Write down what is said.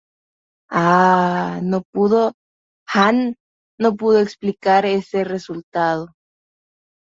Hahn no pudo explicar este resultado.